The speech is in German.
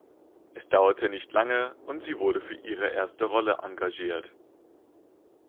Es dauerte nicht lange und sie wurde für ihre erste Rolle engagiert.